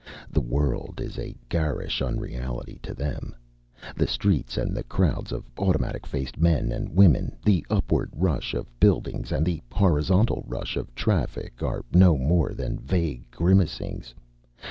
The world is a garish unreality to them. The streets and the crowds of automatic faced men and women, the upward rush of buildings and the horizontal rush of traffic are no more than vague grimacings.